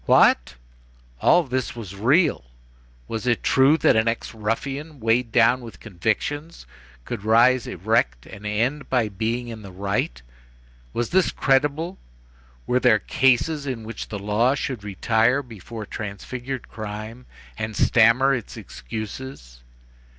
What,—all this was real! was it true that an ex ruffian, weighed down with convictions, could rise erect and end by being in the right? Was this credible? were there cases in which the law should retire before transfigured crime, and stammer its excuses?